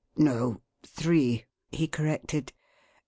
"No three," he corrected.